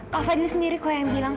pak fadil sendiri kok yang bilang